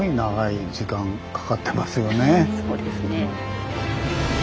そうですね。